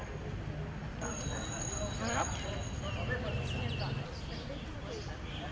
รับผลดำคลิกต่อตัวชีวิตมีรักษาเล็กครับ